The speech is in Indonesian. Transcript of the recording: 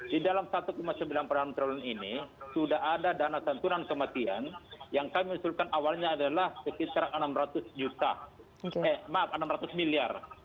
di dalam rp satu sembilan triliun ini sudah ada dana tansuran kematian yang kami usulkan awalnya adalah sekitar rp enam ratus miliar